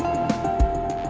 gak usah lo nge review